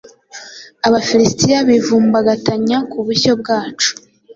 Abafilisitiya bivumbagatanya ku bushyo bwacu,